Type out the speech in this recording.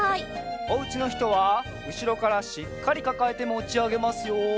おうちのひとはうしろからしっかりかかえてもちあげますよ。